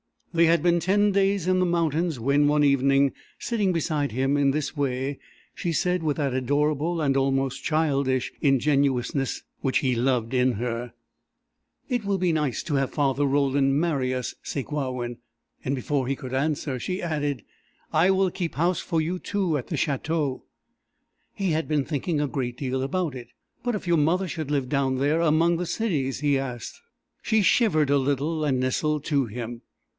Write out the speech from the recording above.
They had been ten days in the mountains when, one evening, sitting beside him in this way, she said, with that adorable and almost childish ingenuousness which he loved in her: "It will be nice to have Father Roland marry us, Sakewawin!" And before he could answer, she added: "I will keep house for you two at the Château." He had been thinking a great deal about it. "But if your mother should live down there among the cities?" he asked. She shivered a little, and nestled to him.